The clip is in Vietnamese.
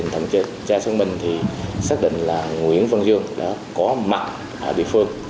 tuy nhiên thì quá trình thẩm chế cha chúng mình thì xác định là nguyễn văn dương đã có mặt ở địa phương